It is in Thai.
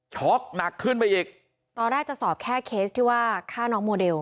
หนักขึ้นไปอีกตอนแรกจะสอบแค่เคสที่ว่าฆ่าน้องโมเดล